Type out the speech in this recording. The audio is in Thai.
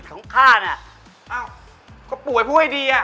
แล้วก็ประตูร้าน